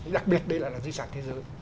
đặc biệt đây là di sản thế giới